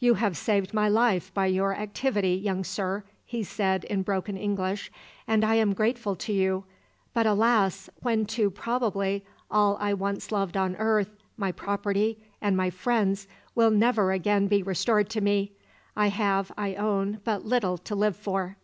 "You have saved my life by your activity, young sir," he said, in broken English, "and I am grateful to you; but, alas! when too probably all I once loved on earth, my property, and my friends, will never again be restored to me, I have, I own, but little to live for!"